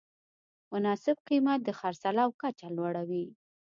مناسب قیمت د خرڅلاو کچه لوړوي.